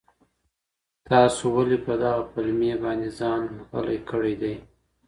تاسو ولي په دغه پلمې باندي ځان غلی کړی دی؟